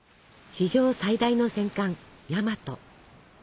史上最大の戦艦「大和」。